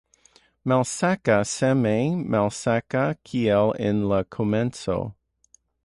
Malseka, same malseka kiel en la komenco.